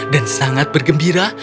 dan sangat bergembira